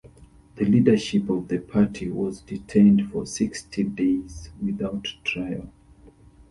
The Leadership of the party was detained for sixty days without trial.